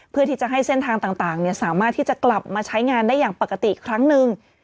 เพื่อที่จะให้เส้นทางต่างสามารถที่จะกลับมาใช้งานได้อย่างปกติอีกครั้งหนึ่ง